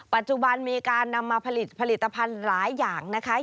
ปัจจุบันมีการนำมาผลิตผลิตภัณฑ์หลายอย่างนะคะ